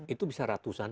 itu bisa ratusan